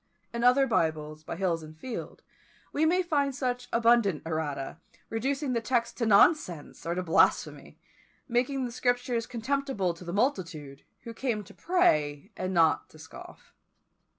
In other Bibles by Hills and Field we may find such abundant errata, reducing the text to nonsense or to blasphemy, making the Scriptures contemptible to the multitude, who came to pray, and not to scoff.